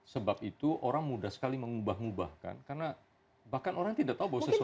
sebab itu orang mudah sekali mengubah mubahkan karena bahkan orang tidak tahu bahwa sesuatu